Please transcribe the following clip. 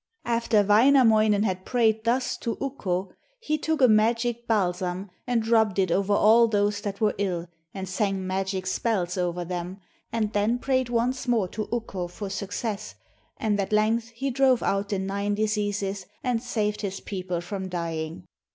After Wainamoinen had prayed thus to Ukko, he took a magic balsam and rubbed it over all those that were ill, and sang magic spells over them, and then prayed once more to Ukko for success, and at length he drove out the nine diseases and saved his people from dying.